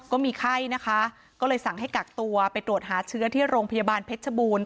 ก็มีไข้นะคะก็เลยสั่งให้กักตัวไปตรวจหาเชื้อที่โรงพยาบาลเพชรบูรณ์